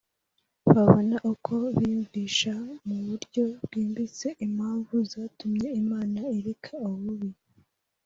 babona uko biyumvisha mu buryo bwimbitse impamvu zatumye imana ireka ububi